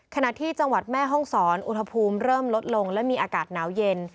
ขณะที่จังหวัดแม่ห้องศรอุณหภูมิเริ่มลดลงและมีอากาศหนาวเย็น